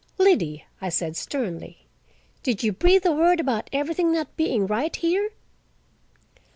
"Liddy," I said sternly, "did you breathe a word about everything not being right here?"